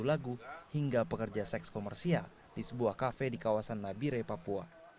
lagu hingga pekerja seks komersial di sebuah kafe di kawasan nabire papua